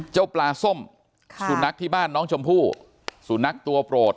เจ้าปลาส้มสุนัขที่บ้านน้องชมพู่สุนัขตัวโปรด